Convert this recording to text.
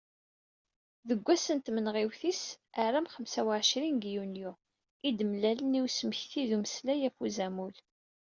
Deg wass n tmenɣiwt-is aram xemsa u εecrin deg yunyu, i d-mlalen i usmekti d umeslay ɣef uzamul.